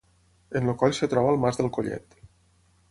En el coll es troba el Mas del Collet.